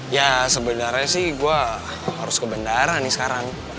ya sebenarnya sih gua harus ke bendara nih sekarang